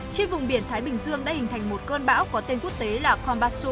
trên vùng biển thái bình dương đã hình thành một cơn bão có tên quốc tế là kombasu